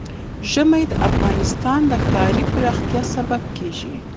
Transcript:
ژمی د افغانستان د ښاري پراختیا سبب کېږي.